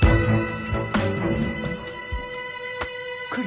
来る